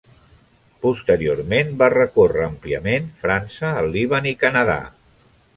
Posteriorment va recórrer àmpliament França, el Líban i Canadà.